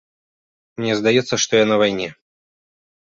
Мне здаецца, што я на вайне.